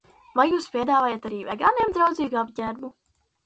Vai jūs piedāvājat arī vegāniem draudzīgu apģērbu?